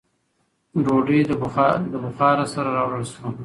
ډوډۍ له بخاره سره راوړل شوه.